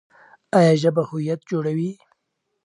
ایا ژبه هویت جوړوي؟